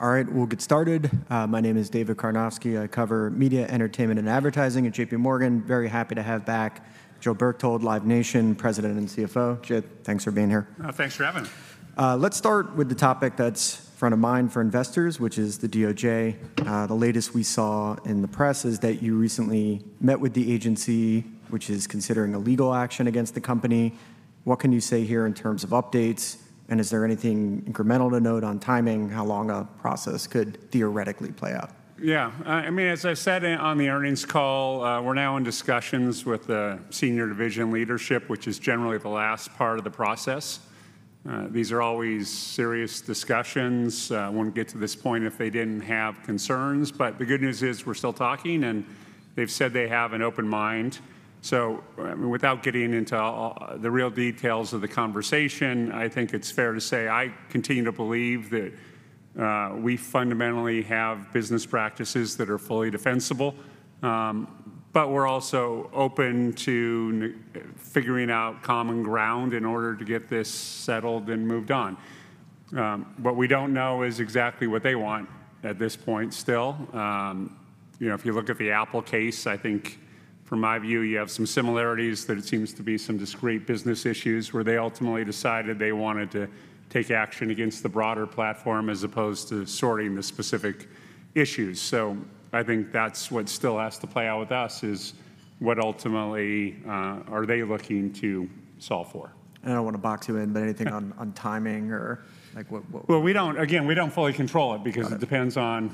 All right, we'll get started. My name is David Karnovsky. I cover media, entertainment, and advertising at J.P. Morgan. Very happy to have back Joe Berchtold, Live Nation President and CFO. Joe, thanks for being here. Thanks for having me. Let's start with the topic that's front of mind for investors, which is the DOJ. The latest we saw in the press is that you recently met with the agency, which is considering a legal action against the company. What can you say here in terms of updates, and is there anything incremental to note on timing, how long a process could theoretically play out? Yeah. I mean, as I said on the earnings call, we're now in discussions with the senior division leadership, which is generally the last part of the process. These are always serious discussions. Wouldn't get to this point if they didn't have concerns. But the good news is, we're still talking, and they've said they have an open mind. So, I mean, without getting into all the real details of the conversation, I think it's fair to say, I continue to believe that we fundamentally have business practices that are fully defensible. But we're also open to figuring out common ground in order to get this settled and moved on. What we don't know is exactly what they want at this point still. You know, if you look at the Apple case, I think from my view, you have some similarities, that it seems to be some discrete business issues, where they ultimately decided they wanted to take action against the broader platform as opposed to sorting the specific issues. So I think that's what still has to play out with us, is what ultimately are they looking to solve for? I don't want to box you in, but anything on timing or, like, what? Well, we don't... Again, we don't fully control it- Got it... because it depends on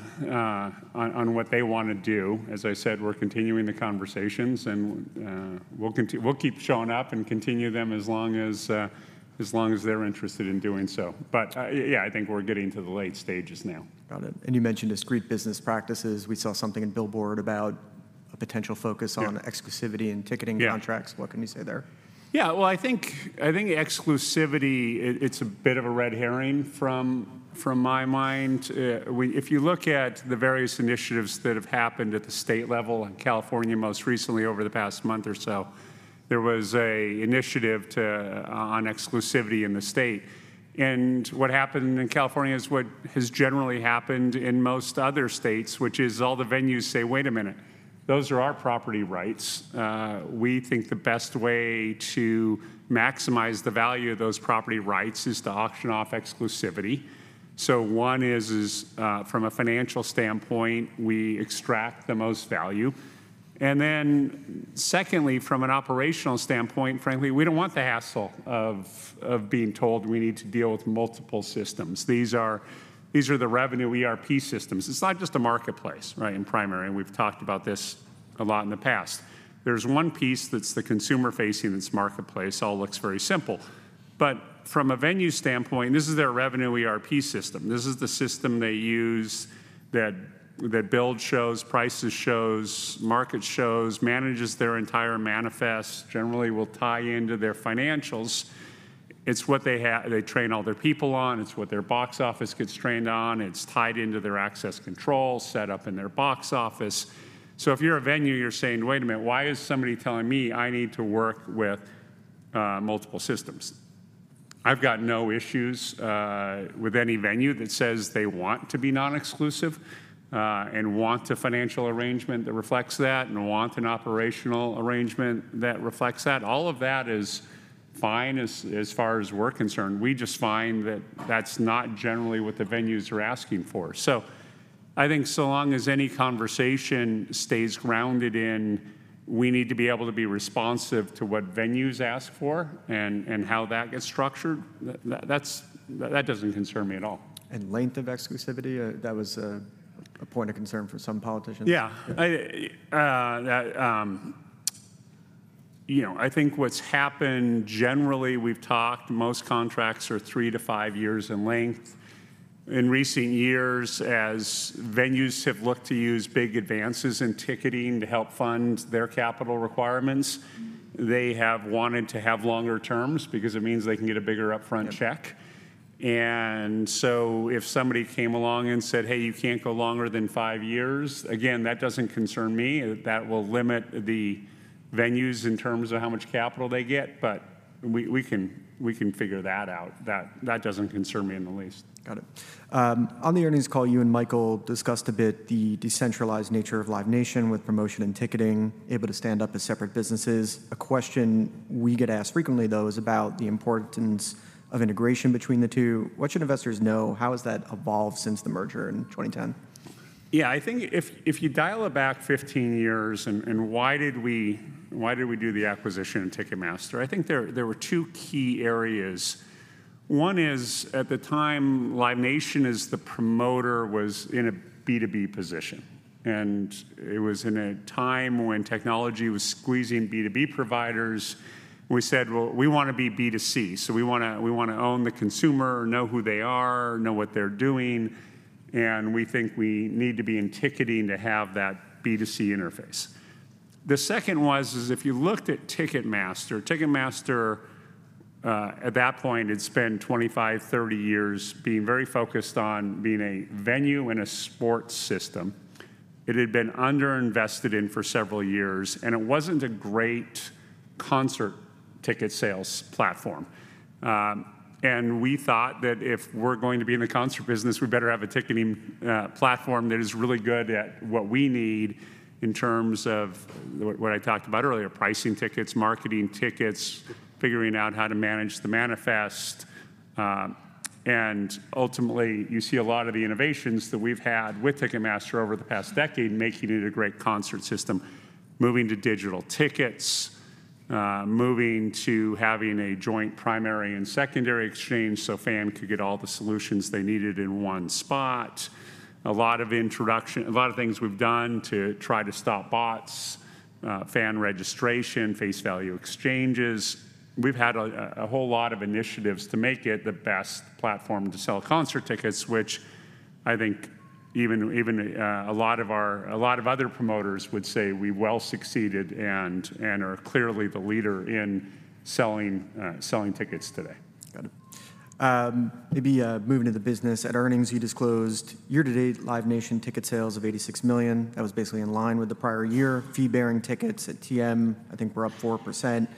what they wanna do. As I said, we're continuing the conversations, and we'll keep showing up and continue them as long as they're interested in doing so. But yeah, I think we're getting to the late stages now. Got it. And you mentioned discrete business practices. We saw something in Billboard about a potential focus on- Yeah - exclusivity and ticketing contracts. Yeah. What can you say there? Yeah, well, I think exclusivity, it's a bit of a red herring from my mind. If you look at the various initiatives that have happened at the state level, in California most recently, over the past month or so, there was an initiative on exclusivity in the state. And what happened in California is what has generally happened in most other states, which is all the venues say, "Wait a minute. Those are our property rights. We think the best way to maximize the value of those property rights is to auction off exclusivity. So one is from a financial standpoint, we extract the most value. And then, secondly, from an operational standpoint, frankly, we don't want the hassle of being told we need to deal with multiple systems." These are the revenue ERP systems. It's not just a marketplace, right, in primary, and we've talked about this a lot in the past. There's one piece that's the consumer-facing, its marketplace, all looks very simple. But from a venue standpoint, this is their revenue ERP system. This is the system they use that build shows, prices shows, market shows, manages their entire manifest, generally will tie into their financials. It's what they train all their people on, it's what their box office gets trained on, it's tied into their access control, set up in their box office. So if you're a venue, you're saying, "Wait a minute, why is somebody telling me I need to work with multiple systems?" I've got no issues with any venue that says they want to be non-exclusive, and want a financial arrangement that reflects that, and want an operational arrangement that reflects that. All of that is fine as far as we're concerned. We just find that that's not generally what the venues are asking for. So I think so long as any conversation stays grounded in, "We need to be able to be responsive to what venues ask for," and how that gets structured, that's, that doesn't concern me at all. Length of exclusivity, that was a point of concern for some politicians? Yeah. You know, I think what's happened, generally, we've talked, most contracts are 3-5 years in length. In recent years, as venues have looked to use big advances in ticketing to help fund their capital requirements, they have wanted to have longer terms because it means they can get a bigger upfront check. And so if somebody came along and said, "Hey, you can't go longer than five years," again, that doesn't concern me. That will limit the venues in terms of how much capital they get, but we, we can, we can figure that out. That, that doesn't concern me in the least. Got it. On the earnings call, you and Michael discussed a bit the decentralized nature of Live Nation, with promotion and ticketing able to stand up as separate businesses. A question we get asked frequently, though, is about the importance of integration between the two. What should investors know? How has that evolved since the merger in 2010? Yeah, I think if you dial it back 15 years, and why did we do the acquisition of Ticketmaster? I think there were two key areas. One is, at the time, Live Nation, as the promoter, was in a B2B position, and it was in a time when technology was squeezing B2B providers. We said: Well, we wanna be B2C, so we wanna own the consumer, know who they are, know what they're doing, and we think we need to be in ticketing to have that B2C interface. The second is if you looked at Ticketmaster, at that point, had spent 25-30 years being very focused on being a venue and a sports system. It had been underinvested in for several years, and it wasn't a great concert ticket sales platform. And we thought that if we're going to be in the concert business, we better have a ticketing platform that is really good at what we need in terms of what I talked about earlier: pricing tickets, marketing tickets, figuring out how to manage the manifest. And ultimately, you see a lot of the innovations that we've had with Ticketmaster over the past decade, making it a great concert system. Moving to digital tickets, moving to having a joint primary and secondary exchange, so fan could get all the solutions they needed in one spot. A lot of things we've done to try to stop bots, fan registration, Face Value Exchanges. We've had a whole lot of initiatives to make it the best platform to sell concert tickets, which I think even a lot of other promoters would say we well succeeded and are clearly the leader in selling tickets today. Got it. Maybe, moving to the business. At earnings, you disclosed year-to-date Live Nation ticket sales of $86 million. That was basically in line with the prior year. Fee-bearing tickets at TM, I think were up 4%.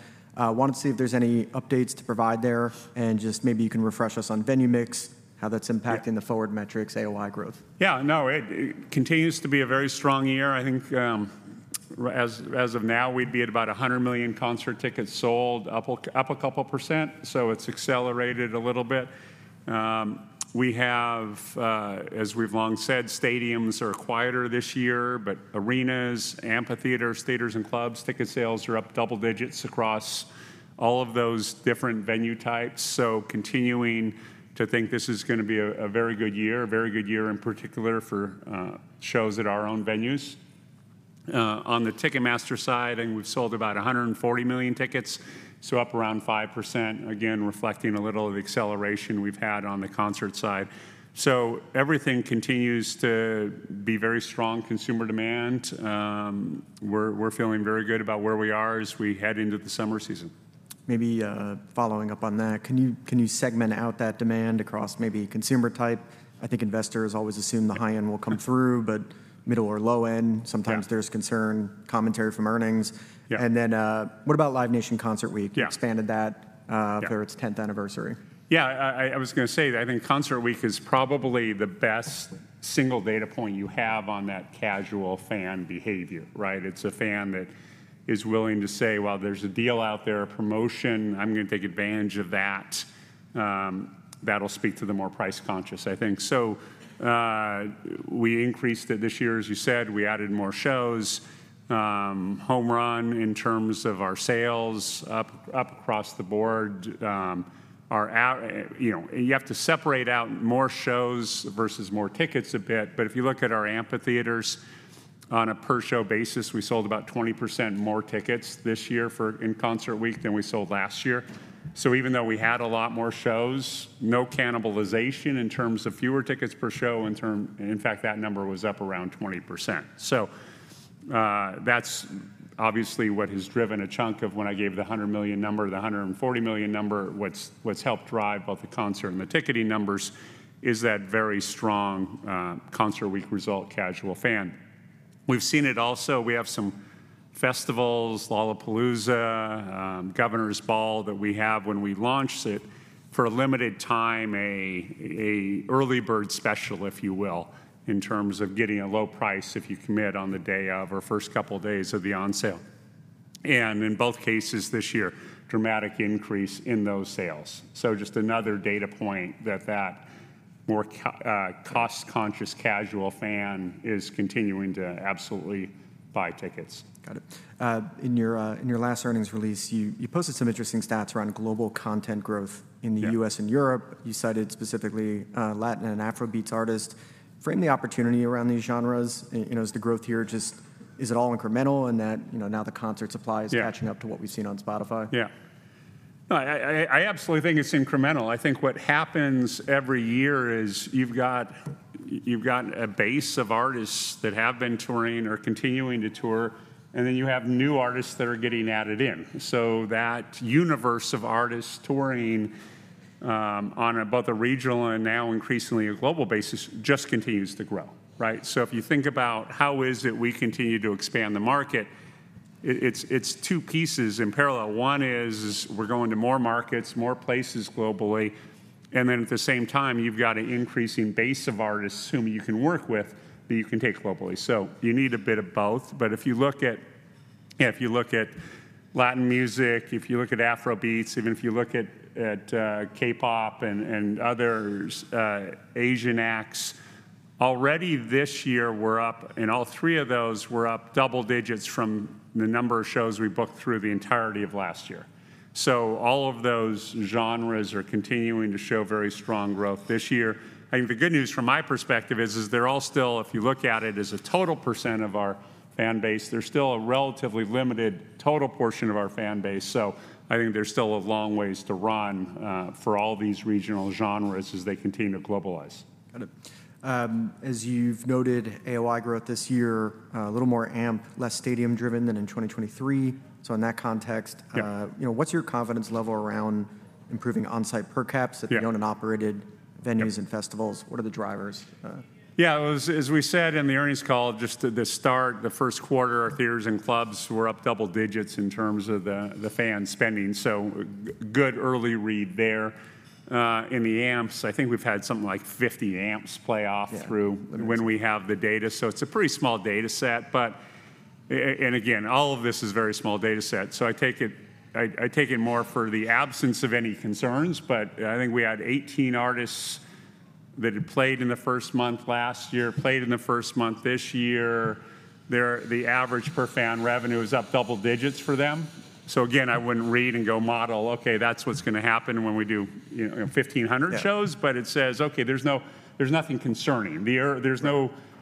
Wanted to see if there's any updates to provide there, and just maybe you can refresh us on venue mix, how that's impacting the forward metrics, AOI growth. Yeah. No, it continues to be a very strong year. I think, as of now, we'd be at about 100 million concert tickets sold, up a couple percent, so it's accelerated a little bit. We have, as we've long said, stadiums are quieter this year, but arenas, amphitheaters, theaters, and clubs, ticket sales are up double digits across all of those different venue types. So continuing to think this is gonna be a very good year, a very good year in particular for shows at our own venues. On the Ticketmaster side, I think we've sold about 140 million tickets, so up around 5%, again, reflecting a little of the acceleration we've had on the concert side. So everything continues to be very strong consumer demand. We're feeling very good about where we are as we head into the summer season. Maybe, following up on that, can you segment out that demand across maybe consumer type? I think investors always assume the high end will come through, but middle or low end- Yeah... sometimes there's concern, commentary from earnings. Yeah. And then, what about Live Nation Concert Week? Yeah. Expanded that, Yeah... for its tenth anniversary. Yeah, I was gonna say that I think Concert Week is probably the best single data point you have on that casual fan behavior, right? It's a fan that is willing to say, "Well, there's a deal out there, a promotion. I'm gonna take advantage of that." That'll speak to the more price-conscious, I think. So, we increased it this year, as you said. We added more shows. Home run in terms of our sales up across the board. You know, you have to separate out more shows versus more tickets a bit, but if you look at our amphitheaters, on a per-show basis, we sold about 20% more tickets this year for Concert Week than we sold last year. So even though we had a lot more shows, no cannibalization in terms of fewer tickets per show. In fact, that number was up around 20%. So, that's obviously what has driven a chunk of when I gave the $100 million number, the $140 million number. What has helped drive both the concert and the ticketing numbers is that very strong Concert Week result, casual fan. We've seen it also. We have some festivals, Lollapalooza, Governors Ball, that we have, when we launched it, for a limited time, an early bird special, if you will, in terms of getting a low price if you commit on the day of or first couple of days of the on-sale. In both cases this year, dramatic increase in those sales. Just another data point that more cost-conscious, casual fan is continuing to absolutely buy tickets. Got it. In your last earnings release, you posted some interesting stats around global content growth in the- Yeah... U.S. and Europe. You cited specifically, Latin and Afrobeats artist. Frame the opportunity around these genres. You know, is the growth here just... Is it all incremental, and that, you know, now the concert supply is- Yeah... catching up to what we've seen on Spotify? Yeah. No, I absolutely think it's incremental. I think what happens every year is you've got, you've got a base of artists that have been touring or continuing to tour, and then you have new artists that are getting added in. So that universe of artists touring on both a regional and now increasingly a global basis just continues to grow, right? So if you think about how is it we continue to expand the market, it's two pieces in parallel. One is we're going to more markets, more places globally, and then at the same time, you've got an increasing base of artists whom you can work with, that you can take globally. So you need a bit of both. But if you look at, if you look at Latin music, if you look at Afrobeats, even if you look at, at, K-pop and, and other, Asian acts, already this year, we're up, in all three of those, we're up double digits from the number of shows we booked through the entirety of last year. So all of those genres are continuing to show very strong growth this year. I think the good news from my perspective is they're all still, if you look at it as a total percent of our fan base, they're still a relatively limited total portion of our fan base. So I think there's still a long ways to run, for all these regional genres as they continue to globalize. Got it. As you've noted, AOI growth this year, a little more amp, less stadium-driven than in 2023. So in that context. Yeah... you know, what's your confidence level around improving onsite per caps- Yeah... at the owned and operated venues and festivals, what are the drivers? Yeah, as we said in the earnings call, just to the start, the first quarter, our theaters and clubs were up double digits in terms of the fan spending. So good early read there. In the amps, I think we've had something like 50 amps play off through- Yeah. when we have the data. So it's a pretty small data set, but and again, all of this is very small data set, so I take it more for the absence of any concerns. But, I think we had 18 artists that had played in the first month last year, played in the first month this year. There, the average per fan revenue is up double digits for them. So again, I wouldn't read and go model, "Okay, that's what's gonna happen when we do, you know, 1,500 shows. Yeah. But it says, "Okay, there's nothing concerning."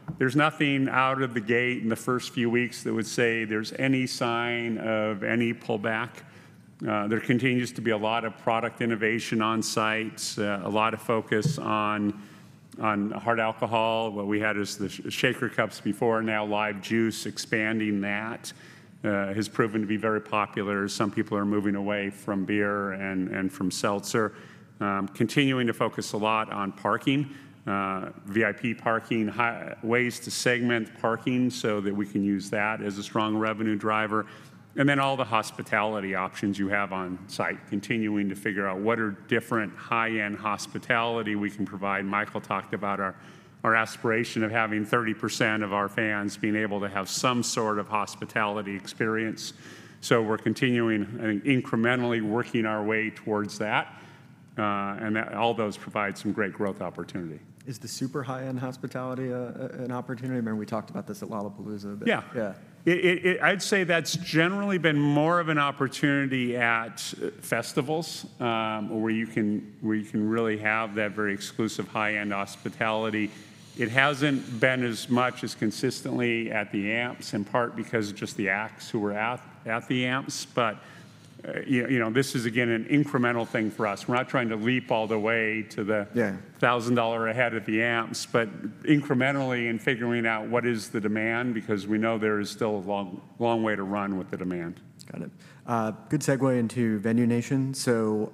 There's nothing out of the gate in the first few weeks that would say there's any sign of any pullback. There continues to be a lot of product innovation on site, a lot of focus on hard alcohol. What we had is the shaker cups before, now live juice, expanding that, has proven to be very popular. Some people are moving away from beer and, and from seltzer. Continuing to focus a lot on parking, VIP parking, ways to segment parking so that we can use that as a strong revenue driver. And then all the hospitality options you have on site, continuing to figure out what are different high-end hospitality we can provide. Michael talked about our aspiration of having 30% of our fans being able to have some sort of hospitality experience. So we're continuing and incrementally working our way towards that, and that all those provide some great growth opportunity. Is the super high-end hospitality an opportunity? I remember we talked about this at Lollapalooza, but- Yeah. Yeah. I'd say that's generally been more of an opportunity at festivals, where you can really have that very exclusive high-end hospitality. It hasn't been as much as consistently at the amps, in part because of just the acts who were at the amps. But, you know, this is again, an incremental thing for us. We're not trying to leap all the way to the- Yeah... $1,000 a head at the amps, but incrementally in figuring out what is the demand, because we know there is still a long, long way to run with the demand. Got it. Good segue into Venue Nation. So,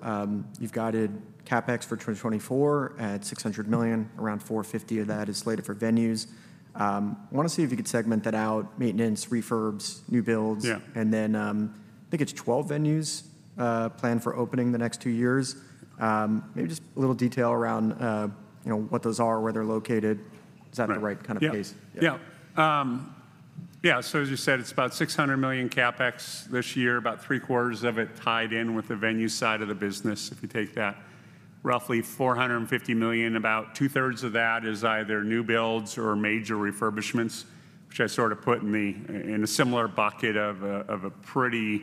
you've guided CapEx for 2024 at $600 million, around $450 million of that is slated for venues. Wanna see if you could segment that out, maintenance, refurbs, new builds- Yeah... and then, I think it's 12 venues, planned for opening the next 2 years. Maybe just a little detail around, you know, what those are, where they're located. Right. Is that the right kind of pace? Yeah. Yeah, so as you said, it's about $600 million CapEx this year, about three-quarters of it tied in with the venue side of the business. If you take that roughly $450 million, about two-thirds of that is either new builds or major refurbishments, which I sort of put in the, in a similar bucket of a, of a pretty,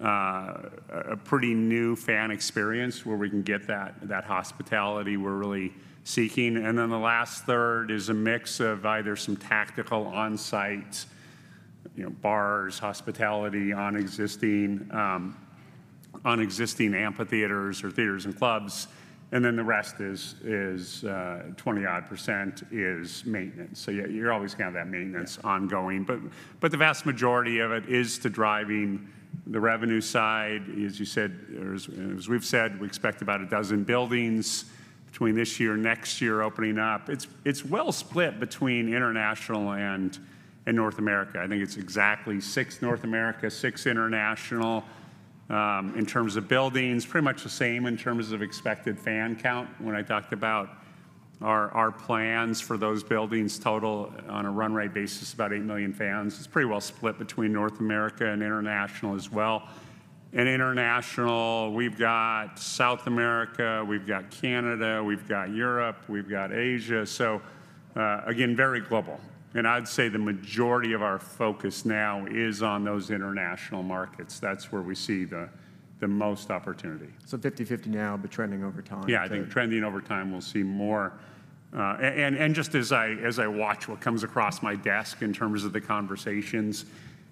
a pretty new fan experience, where we can get that, that hospitality we're really seeking. And then the last third is a mix of either some tactical on-site, you know, bars, hospitality, on existing, on existing amphitheaters or theaters and clubs, and then the rest is, is, 20-odd% is maintenance. So yeah, you're always gonna have that maintenance- Yeah... ongoing, but the vast majority of it is to driving the revenue side. As you said, or as we've said, we expect about 12 buildings between this year and next year opening up. It's well split between international and North America. I think it's exactly 6 North America, 6 international in terms of buildings. Pretty much the same in terms of expected fan count. When I talked about our plans for those buildings total on a run rate basis, about 8 million fans. It's pretty well split between North America and international as well. In international, we've got South America, we've got Canada, we've got Europe, we've got Asia. So, again, very global. And I'd say the majority of our focus now is on those international markets. That's where we see the most opportunity. So 50/50 now, but trending over time? Yeah, I think trending over time, we'll see more. And just as I watch what comes across my desk in terms of the conversations,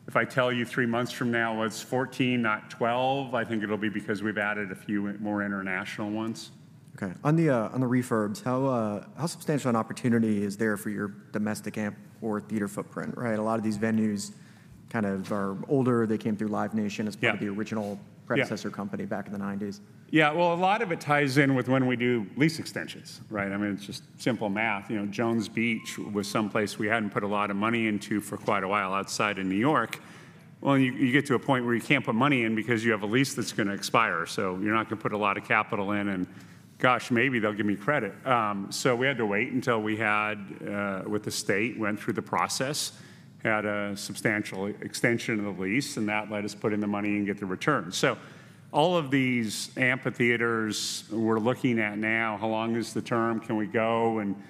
if I tell you three months from now, it's 14, not 12, I think it'll be because we've added a few more international ones. Okay. On the, on the refurbs, how, how substantial an opportunity is there for your domestic amp or theater footprint, right? A lot of these venues kind of are older. They came through Live Nation- Yeah... as part of the original- Yeah... predecessor company back in the 1990s. Yeah. Well, a lot of it ties in with when we do lease extensions, right? I mean, it's just simple math. You know, Jones Beach was someplace we hadn't put a lot of money into for quite a while outside of New York. Well, you get to a point where you can't put money in because you have a lease that's gonna expire, so you're not gonna put a lot of capital in, and gosh, maybe they'll give me credit. So we had to wait until we had with the state, went through the process, had a substantial extension of the lease, and that let us put in the money and get the return. So all of these amphitheaters we're looking at now, how long is the term? Can we go and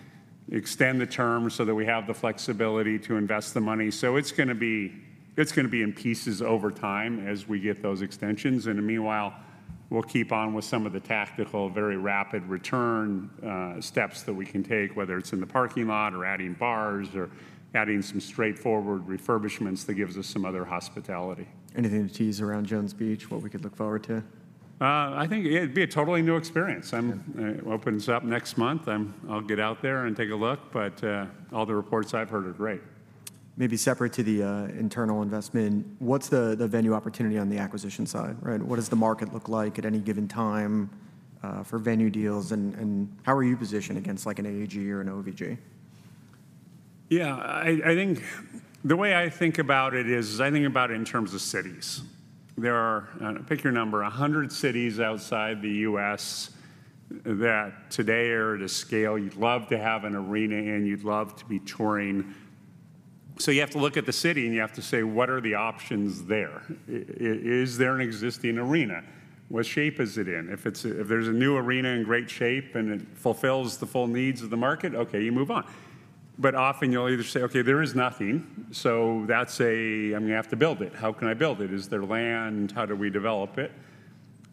extend the term so that we have the flexibility to invest the money? So it's gonna be, it's gonna be in pieces over time as we get those extensions. Meanwhile, we'll keep on with some of the tactical, very rapid return steps that we can take, whether it's in the parking lot, or adding bars, or adding some straightforward refurbishments that gives us some other hospitality. Anything to tease around Jones Beach, what we could look forward to? I think it'd be a totally new experience. Yeah. Opens up next month. I'll get out there and take a look, but all the reports I've heard are great. ... maybe separate to the, internal investment, what's the, the venue opportunity on the acquisition side, right? What does the market look like at any given time, for venue deals, and, and how are you positioned against, like, an AEG or an OVG? Yeah, I think... The way I think about it is, I think about it in terms of cities. There are, pick your number, 100 cities outside the U.S. that today are at a scale you'd love to have an arena in, you'd love to be touring. So you have to look at the city, and you have to say: What are the options there? Is there an existing arena? What shape is it in? If there's a new arena in great shape, and it fulfills the full needs of the market, okay, you move on. But often you'll either say, "Okay, there is nothing, so that's, I'm gonna have to build it. How can I build it? Is there land? How do we develop it?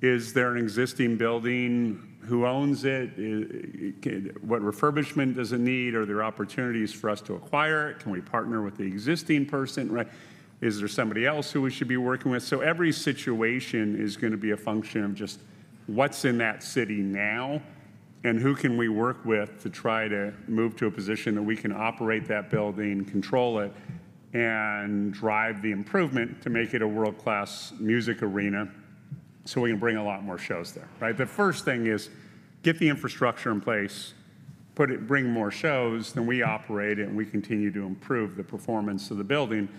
Is there an existing building? Who owns it? What refurbishment does it need? Are there opportunities for us to acquire it? Can we partner with the existing person, right? Is there somebody else who we should be working with?" So every situation is gonna be a function of just what's in that city now, and who can we work with to try to move to a position that we can operate that building, control it, and drive the improvement to make it a world-class music arena so we can bring a lot more shows there, right? The first thing is, get the infrastructure in place, bring more shows. Then we operate it, and we continue to improve the performance of the building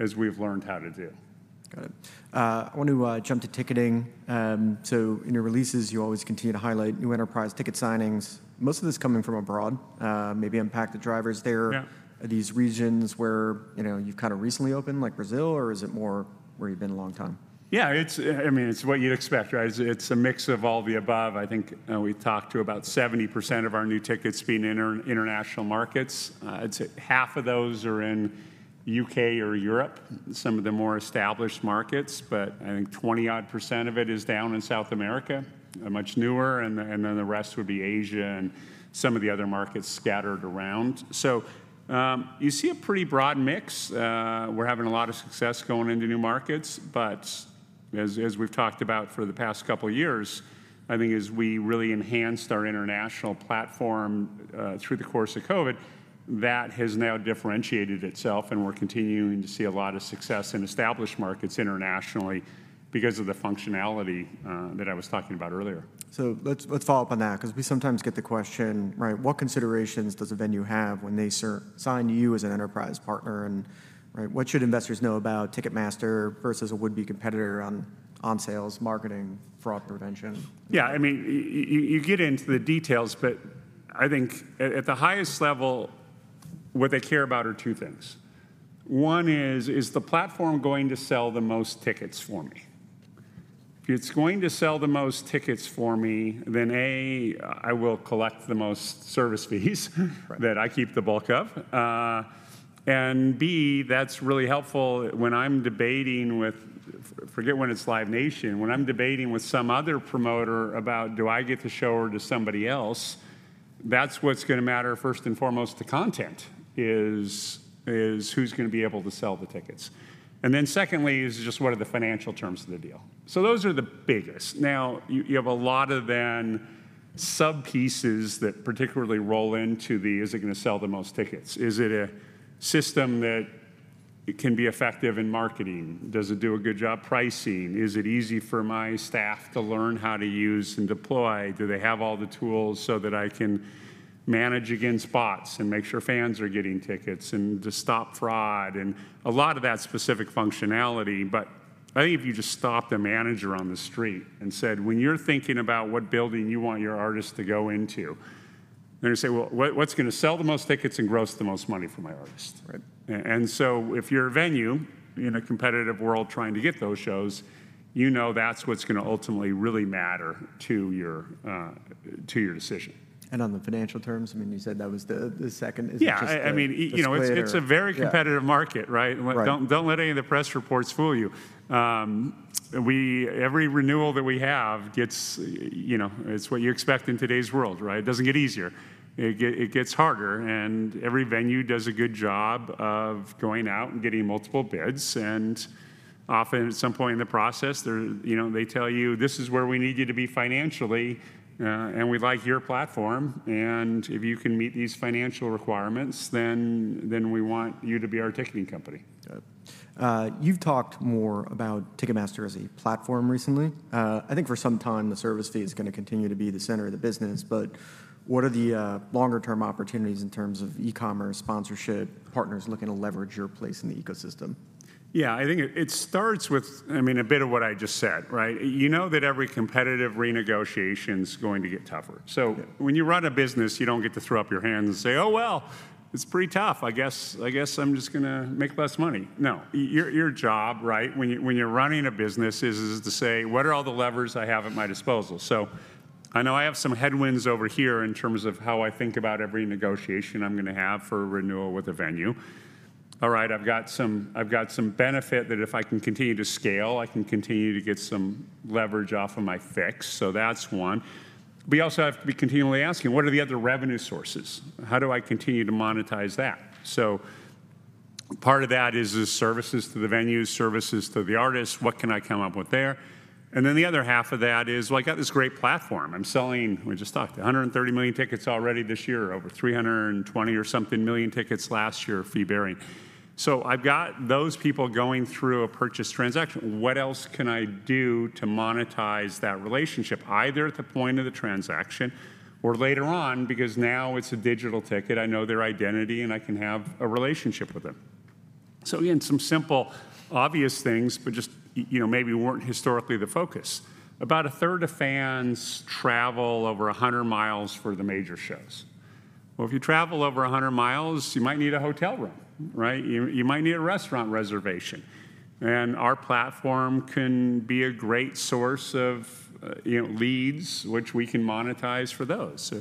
as we've learned how to do. Got it. I want to jump to ticketing. So in your releases, you always continue to highlight new enterprise ticket signings, most of this coming from abroad. Maybe unpack the drivers there. Yeah. Are these regions where, you know, you've kinda recently opened, like Brazil, or is it more where you've been a long time? Yeah, it's, I mean, it's what you'd expect, right? It's a mix of all the above. I think we talked about 70% of our new tickets being in international markets. I'd say half of those are in U.K. or Europe, some of the more established markets, but I think 20-odd% of it is down in South America, much newer, and then the rest would be Asia and some of the other markets scattered around. So, you see a pretty broad mix. We're having a lot of success going into new markets, but as we've talked about for the past couple of years, I think as we really enhanced our international platform through the course of COVID, that has now differentiated itself, and we're continuing to see a lot of success in established markets internationally because of the functionality that I was talking about earlier. So let's, let's follow up on that, 'cause we sometimes get the question, right: What considerations does a venue have when they sign you as an enterprise partner, and, right, what should investors know about Ticketmaster versus a would-be competitor on, on sales, marketing, fraud prevention? Yeah, I mean, you get into the details, but I think at the highest level, what they care about are two things. One is: Is the platform going to sell the most tickets for me? If it's going to sell the most tickets for me, then, A, I will collect the most service fees- Right... that I keep the bulk of. And B, that's really helpful when I'm debating with... Forget when it's Live Nation. When I'm debating with some other promoter about, do I get the show or does somebody else, that's what's gonna matter first and foremost to content, is, is who's gonna be able to sell the tickets. And then secondly is just: What are the financial terms of the deal? So those are the biggest. Now, you, you have a lot of then sub-pieces that particularly roll into the, "Is it gonna sell the most tickets?" Is it a system that it can be effective in marketing? Does it do a good job pricing? Is it easy for my staff to learn how to use and deploy? Do they have all the tools so that I can manage against bots and make sure fans are getting tickets, and to stop fraud, and a lot of that specific functionality. But I think if you just stopped a manager on the street and said, "When you're thinking about what building you want your artist to go into," they're gonna say, "Well, what, what's gonna sell the most tickets and gross the most money for my artist? Right. And so if you're a venue in a competitive world trying to get those shows, you know that's what's gonna ultimately really matter to your, to your decision. On the financial terms, I mean, you said that was the second. Is it just the- Yeah, I mean-... the split or- It's a very competitive- Yeah... market, right? Right. Don't let any of the press reports fool you. Every renewal that we have gets, you know, it's what you expect in today's world, right? It doesn't get easier. It gets harder, and every venue does a good job of going out and getting multiple bids. Often, at some point in the process, they're, you know, they tell you: "This is where we need you to be financially, and we like your platform, and if you can meet these financial requirements, then we want you to be our ticketing company. Got it. You've talked more about Ticketmaster as a platform recently. I think for some time the service fee is gonna continue to be the center of the business, but what are the longer-term opportunities in terms of e-commerce, sponsorship, partners looking to leverage your place in the ecosystem? Yeah. I think it, it starts with, I mean, a bit of what I just said, right? You know that every competitive renegotiation's going to get tougher. Yeah. So when you run a business, you don't get to throw up your hands and say, "Oh, well, it's pretty tough. I guess, I guess I'm just gonna make less money." No. Your job, right, when you're running a business, is to say: What are all the levers I have at my disposal? So I know I have some headwinds over here in terms of how I think about every negotiation I'm gonna have for a renewal with a venue. All right, I've got some benefit that if I can continue to scale, I can continue to get some leverage off of my fix, so that's one. We also have to be continually asking, what are the other revenue sources? How do I continue to monetize that? Part of that is the services to the venues, services to the artists, what can I come up with there? And then the other half of that is, well, I got this great platform. I'm selling, we just talked, 130 million tickets already this year, over 320 or something million tickets last year, fee-bearing. So I've got those people going through a purchase transaction. What else can I do to monetize that relationship, either at the point of the transaction or later on? Because now it's a digital ticket, I know their identity, and I can have a relationship with them. So again, some simple, obvious things, but just, you know, maybe weren't historically the focus. About a third of fans travel over 100 miles for the major shows. Well, if you travel over 100 miles, you might need a hotel room, right? You might need a restaurant reservation, and our platform can be a great source of, you know, leads, which we can monetize for those.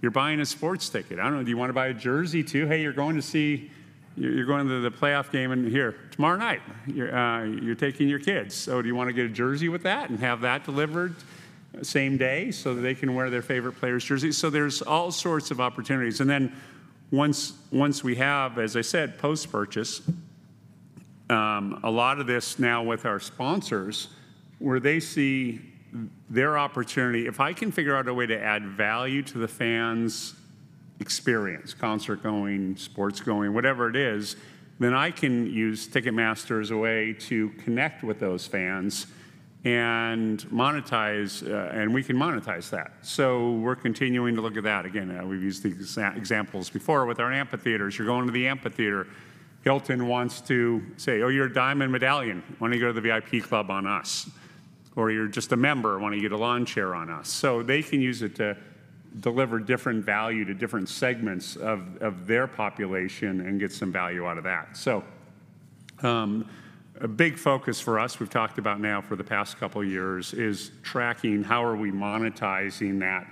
You're buying a sports ticket. I don't know, do you wanna buy a jersey, too? "Hey, you're going to see—you're going to the playoff game, and here, tomorrow night, you're taking your kids. So do you wanna get a jersey with that and have that delivered same day, so that they can wear their favorite player's jersey?" So there's all sorts of opportunities, and then once we have, as I said, post-purchase, a lot of this now with our sponsors, where they see their opportunity: If I can figure out a way to add value to the fan's experience, concert-going, sports-going, whatever it is, then I can use Ticketmaster as a way to connect with those fans and monetize, and we can monetize that. So we're continuing to look at that. Again, we've used these examples before with our amphitheaters. You're going to the amphitheater. Hilton wants to say, "Oh, you're a Diamond Medallion. Why don't you go to the VIP club on us?" Or, "You're just a member. Why don't you get a lawn chair on us?" So they can use it to deliver different value to different segments of, of their population and get some value out of that. So, a big focus for us, we've talked about now for the past couple years, is tracking how are we monetizing that,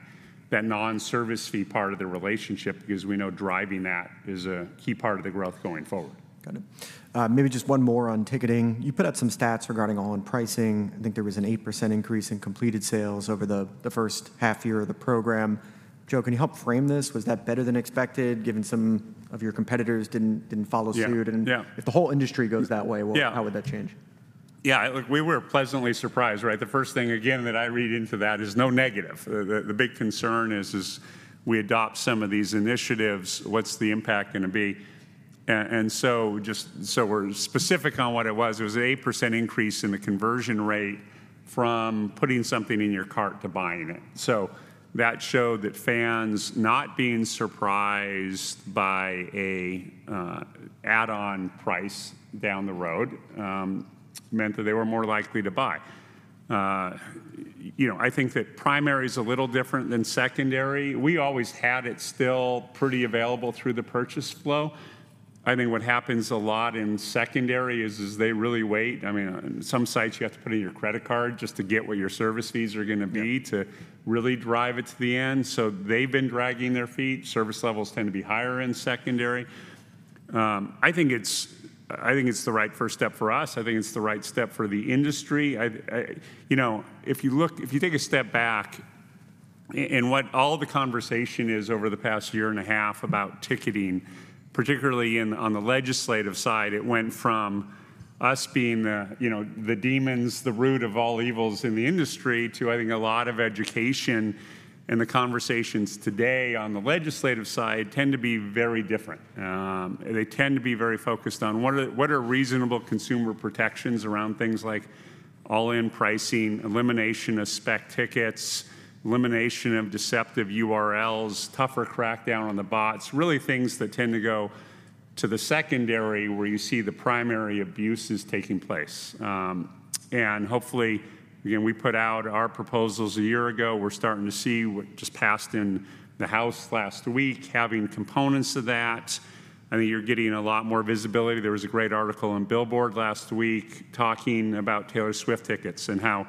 that non-service fee part of the relationship, because we know driving that is a key part of the growth going forward. Got it. Maybe just one more on ticketing. You put up some stats regarding all-in pricing. I think there was an 8% increase in completed sales over the first half year of the program. Joe, can you help frame this? Was that better than expected, given some of your competitors didn't follow suit- Yeah, yeah. If the whole industry goes that way- Yeah... how would that change? Yeah, look, we were pleasantly surprised, right? The first thing, again, that I read into that is no negative. The big concern is, if we adopt some of these initiatives, what's the impact gonna be? And so just so we're specific on what it was, it was an 8% increase in the conversion rate from putting something in your cart to buying it. So that showed that fans not being surprised by an add-on price down the road meant that they were more likely to buy. You know, I think that primary's a little different than secondary. We always had it still pretty available through the purchase flow. I think what happens a lot in secondary is they really wait. I mean, on some sites, you have to put in your credit card just to get what your service fees are gonna be- Yeah... to really drive it to the end, so they've been dragging their feet. Service levels tend to be higher in secondary. I think it's the right first step for us. I think it's the right step for the industry. You know, if you take a step back in what all the conversation is over the past year and a half about ticketing, particularly in, on the legislative side, it went from us being the, you know, the demons, the root of all evils in the industry, to I think a lot of education, and the conversations today on the legislative side tend to be very different. They tend to be very focused on what are reasonable consumer protections around things like all-in pricing, elimination of spec tickets, elimination of deceptive URLs, tougher crackdown on the bots, really things that tend to go to the secondary, where you see the primary abuses taking place. And hopefully, again, we put out our proposals a year ago. We're starting to see what just passed in the House last week, having components of that. I think you're getting a lot more visibility. There was a great article in Billboard last week talking about Taylor Swift tickets and how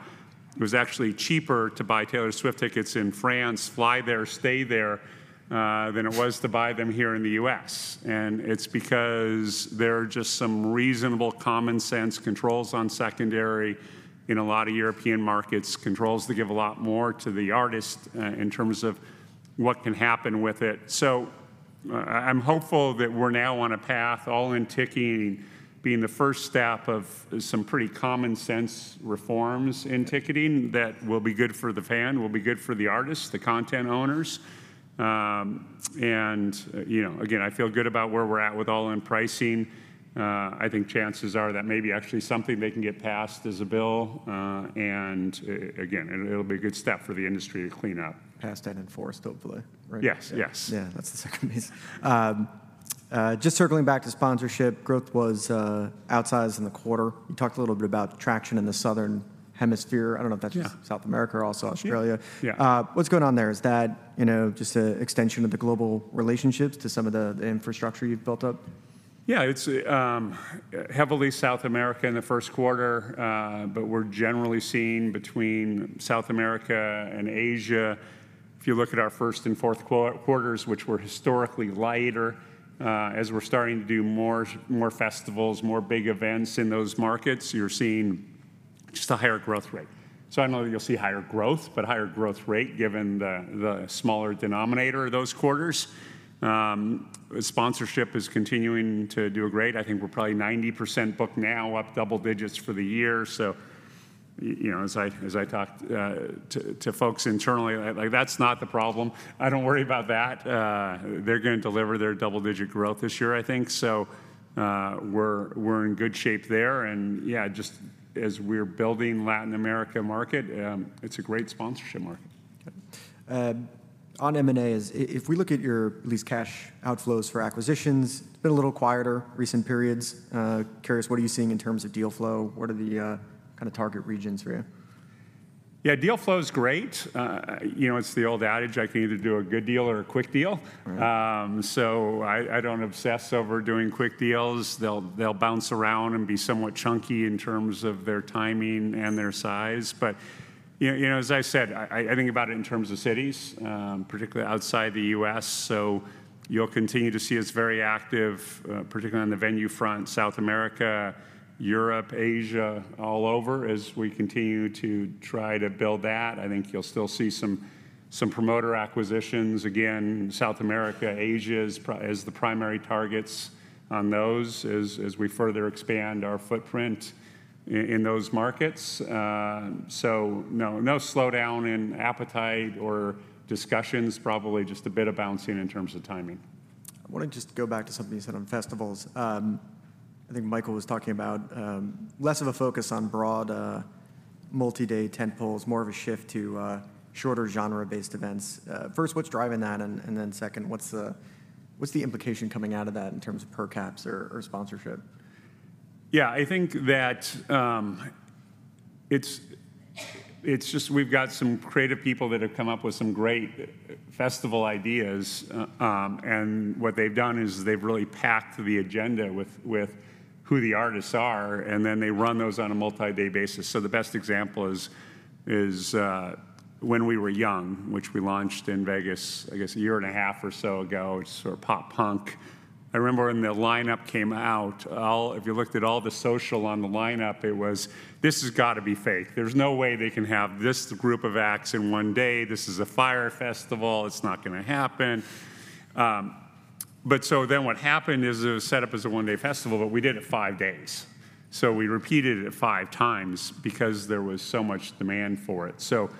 it was actually cheaper to buy Taylor Swift tickets in France, fly there, stay there, than it was to buy them here in the U.S. And it's because there are just some reasonable common-sense controls on secondary in a lot of European markets, controls that give a lot more to the artist in terms of what can happen with it. So I'm hopeful that we're now on a path, all-in ticketing being the first step of some pretty common-sense reforms in ticketing that will be good for the fan, will be good for the artists, the content owners. And, you know, again, I feel good about where we're at with all-in pricing. I think chances are that may be actually something that can get passed as a bill, and again, it'll be a good step for the industry to clean up. Passed and enforced, hopefully, right? Yes, yes. Yeah, that's the second piece. Just circling back to sponsorship, growth was outsized in the quarter. You talked a little bit about traction in the Southern Hemisphere. I don't know if that's just- Yeah... South America or also Australia. Yeah. What's going on there? Is that, you know, just an extension of the global relationships to some of the infrastructure you've built up? Yeah, it's heavily South America in the first quarter, but we're generally seeing between South America and Asia, if you look at our first and fourth quarters, which were historically lighter, as we're starting to do more festivals, more big events in those markets, you're seeing just a higher growth rate. So I don't know that you'll see higher growth, but higher growth rate, given the smaller denominator of those quarters. Sponsorship is continuing to do great. I think we're probably 90% booked now, up double digits for the year. So you know, as I talk to folks internally, like, that's not the problem. I don't worry about that. They're gonna deliver their double-digit growth this year, I think, so we're in good shape there, and yeah, just as we're building Latin America market, it's a great sponsorship market. Okay. On M&A, if we look at your, at least, cash outflows for acquisitions, it's been a little quieter recent periods. Curious, what are you seeing in terms of deal flow? What are the kind of target regions for you? Yeah, deal flow is great. You know, it's the old adage, I can either do a good deal or a quick deal. Right. So I don't obsess over doing quick deals. They'll bounce around and be somewhat chunky in terms of their timing and their size. But you know, as I said, I think about it in terms of cities, particularly outside the U.S., so you'll continue to see us very active, particularly on the venue front, South America, Europe, Asia, all over, as we continue to try to build that. I think you'll still see some promoter acquisitions. Again, South America, Asia as the primary targets on those, as we further expand our footprint in those markets. So no slowdown in appetite or discussions, probably just a bit of bouncing in terms of timing. I wanna just go back to something you said on festivals. I think Michael was talking about, less of a focus on broad, multi-day tentpoles, more of a shift to, shorter genre-based events. First, what's driving that? And then second, what's the implication coming out of that in terms of per caps or sponsorship? Yeah, I think that, it's just we've got some creative people that have come up with some great festival ideas, and what they've done is they've really packed the agenda with who the artists are, and then they run those on a multi-day basis. So the best example is When We Were Young, which we launched in Vegas, I guess, a year and a half or so ago, it's sort of pop punk. I remember when the lineup came out, all- if you looked at all the social on the lineup, it was, "This has got to be fake. There's no way they can have this group of acts in one day. This is a Fyre Festival. It's not gonna happen." But so then what happened is it was set up as a one-day festival, but we did it five days, so we repeated it five times because there was so much demand for it. So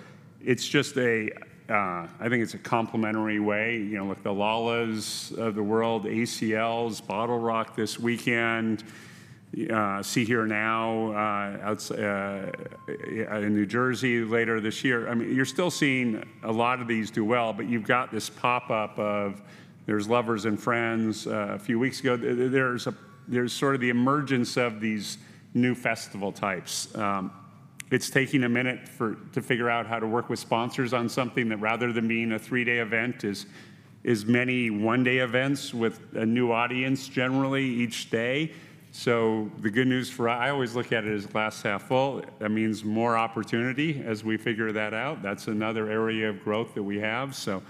it's just a, I think it's a complimentary way, you know, with the Lollas of the world, ACLs, BottleRock this weekend, Sea.Hear.Now in New Jersey later this year. I mean, you're still seeing a lot of these do well, but you've got this pop-up of there's Lovers and Friends a few weeks ago. There's sort of the emergence of these new festival types. It's taking a minute to figure out how to work with sponsors on something that, rather than being a three-day event, is many one-day events with a new audience generally each day. So the good news for—I always look at it as glass half full. That means more opportunity as we figure that out. That's another area of growth that we have. So,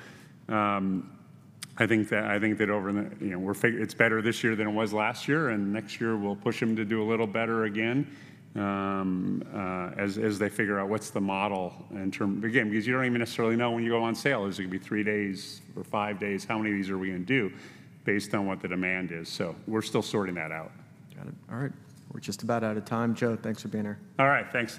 I think that over the, you know, it's better this year than it was last year, and next year, we'll push them to do a little better again, as they figure out what's the model. Again, because you don't even necessarily know when you go on sale. Is it gonna be 3 days or 5 days? How many of these are we gonna do based on what the demand is? So we're still sorting that out. Got it. All right, we're just about out of time, Joe. Thanks for being here. All right, thanks.